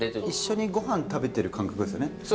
一緒にご飯食べてる感覚ですよね。